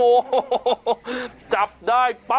ครูกัดสบัติคร้าว